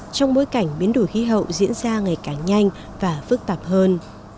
trong bối cảnh biến đổi khí hậu diễn ra ngày càng nhanh và phức tạp hơn